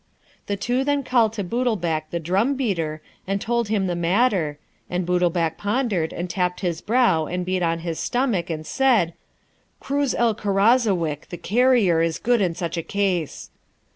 The two then called to Bootlbac, the drum beater, and told him the matter, and Bootlbac pondered, and tapped his brow and beat on his stomach, and said, 'Krooz el Krazawik, the carrier, is good in such a case.'